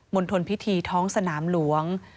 ณฑลพิธีท้องสนามหลวง